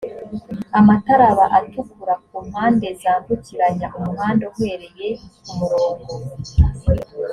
amatara aba atukura ku mpande zambukiranya umuhanda uhereye k umurongo